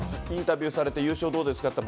インタビューされて、優勝どうですか？